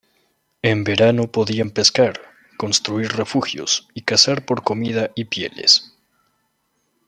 En verano podían pescar, construir refugios, y cazar por comida y pieles.